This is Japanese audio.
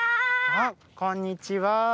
あっこんにちは。